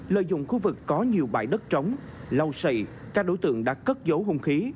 lợi dụng khu vực có nhiều bãi đất trống lau sầy các đối tượng đã cất dấu hung khí